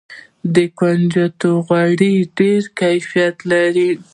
د کنجدو غوړي ډیر کیفیت لري.